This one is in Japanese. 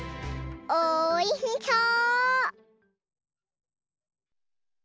おいしそう！